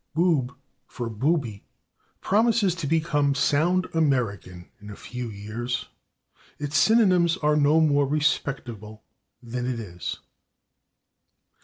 /Boob/ for /booby/ promises to become sound American in a few years; its synonyms are no more respectable than it is.